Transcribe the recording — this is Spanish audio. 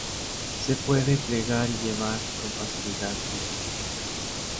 Se pueden plegar y llevar con facilidad en una maleta.